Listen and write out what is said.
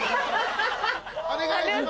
お願いします！